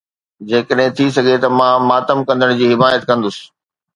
جيڪڏهن ٿي سگهي ته مان ماتم ڪندڙ جي حمايت ڪندس